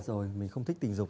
xếp rồi mình không thích tình dục